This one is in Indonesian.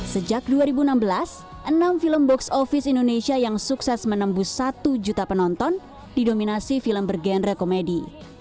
sejak dua ribu enam belas enam film box office indonesia yang sukses menembus satu juta penonton didominasi film bergenre komedi